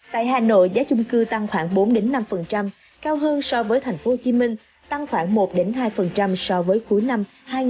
tại hà nội giá chung cư tăng khoảng bốn năm cao hơn so với thành phố hồ chí minh tăng khoảng một hai so với cuối năm hai nghìn hai mươi một